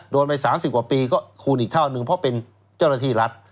ไป๓๐กว่าปีก็คูณอีกเท่านึงเพราะเป็นเจ้าหน้าที่รัฐ